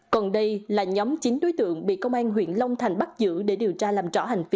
còn đây là nhóm chính đối tượng bị công an huyện long thành bắt giữ để điều tra làm rõ hành vi